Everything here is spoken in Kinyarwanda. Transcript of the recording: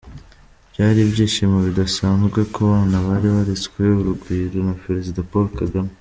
Byari ibyishimo bidasanzwe ku bana bari beretswe urugwiro na Perezida Paul Kagame.